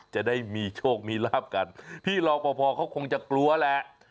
จะได้มีโชคมีลาบกันพี่รอปภเขาคงจะกลัวแหละ